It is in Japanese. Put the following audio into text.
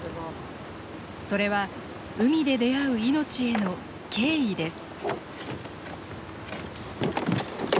それは海で出会う命への「敬意」です。